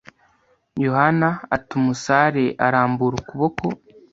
“Yohana!” ati umusare, arambura ukuboko.